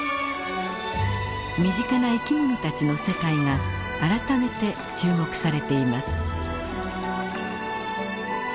身近な生きものたちの世界が改めて注目されています。